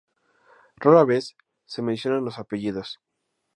Rara vez se mencionan los apellidos.